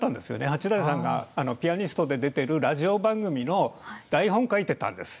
八大さんがピアニストで出てるラジオ番組の台本書いてたんです。